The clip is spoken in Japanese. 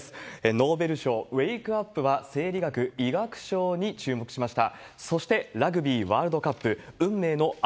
ノーベル賞、ウェークアップは生理学・医学賞に注目しました。